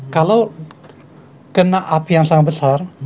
kalau kena api yang sangat besar